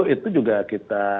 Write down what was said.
itu juga kita